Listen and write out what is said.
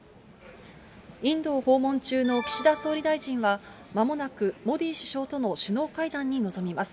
インドを訪問中の岸田総理大臣は、まもなくモディ首相との首脳会談に臨みます。